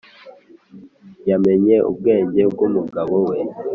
yamenye ubwenge bwumugabo we.